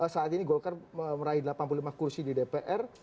saat ini golkar meraih delapan puluh lima kursi di dpr